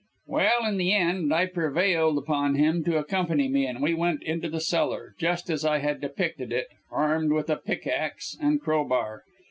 "Well, in the end I prevailed upon him to accompany me, and we went into the cellar just as I had depicted it armed with a pick axe and crowbar.